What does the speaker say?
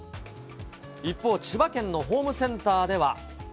一方、千葉県のホームセンターでは。